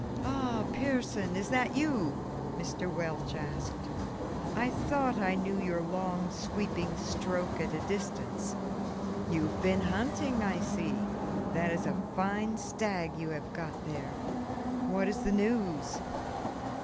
"Ah, Pearson! is that you?" Mr. Welch asked. "I thought I knew your long, sweeping stroke at a distance. You have been hunting, I see; that is a fine stag you have got there. What is the news?"